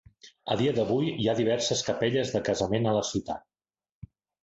A dia d'avui, hi ha diverses capelles de casament a la ciutat.